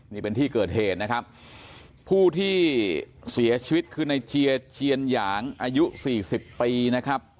นี่เป็นที่เกิดเหตุนะครับผู้ที่เสียชีวิตคือในเจียเจียนหยางอายุสี่สิบปีนะครับ